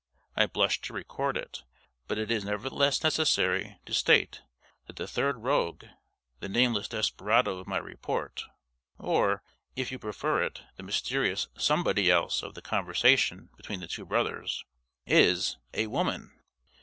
I blush to record it, but it is nevertheless necessary to state that the third rogue the nameless desperado of my report, or, if you prefer it, the mysterious "somebody else" of the conversation between the two brothers is a woman!